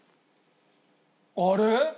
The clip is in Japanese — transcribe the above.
あれ？